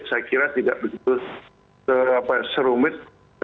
saya kira tidak begitu serumit